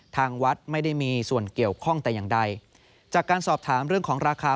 ทางวัดไม่ได้มีส่วนเกี่ยวข้องแต่อย่างใดจากการสอบถามเรื่องของราคา